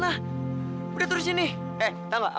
aku mau pergi ke tempat yang sama